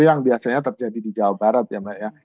yang biasanya terjadi di jawa barat ya mbak ya